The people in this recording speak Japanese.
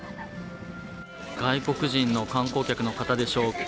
外国人の観光客の方でしょうか。